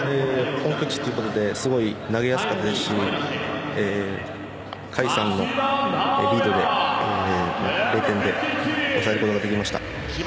本拠地ということですごい投げやすかったですし甲斐さんのリードで０点に抑えることができました。